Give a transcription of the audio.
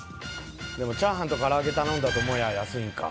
でもチャーハンとからあげ頼んだと思やぁ安いんか。